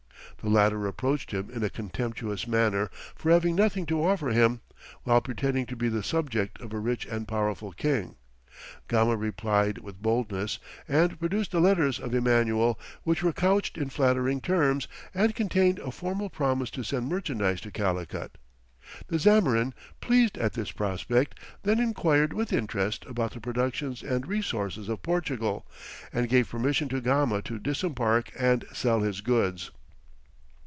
The latter reproached him in a contemptuous manner for having nothing to offer him, while pretending to be the subject of a rich and powerful king. Gama replied with boldness, and produced the letters of Emmanuel, which were couched in flattering terms, and contained a formal promise to send merchandise to Calicut. The Zamorin, pleased at this prospect, then inquired with interest about the productions and resources of Portugal, and gave permission to Gama to disembark and sell his goods.